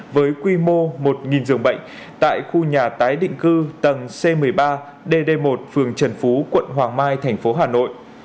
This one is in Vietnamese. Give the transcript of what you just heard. với quy mô một giường bệnh tại khu nhà tái định cư tầng c một mươi ba dd một phường trần phú quận hoàng mai thành phố hà nội